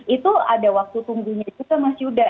itu ada waktu tunggu itu sama sudah